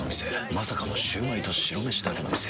まさかのシュウマイと白めしだけの店。